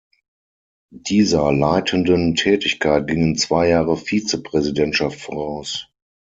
Dieser leitenden Tätigkeit gingen zwei Jahre Vize-Präsidentschaft voraus.